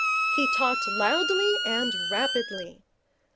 He talked loudly and rapidly.